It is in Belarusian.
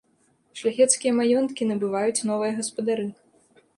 Шляхецкія маёнткі набываюць новыя гаспадары.